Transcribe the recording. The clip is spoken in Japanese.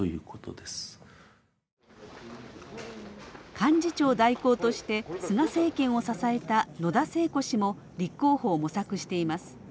幹事長代行として菅政権を支えた野田聖子氏も立候補を模索しています。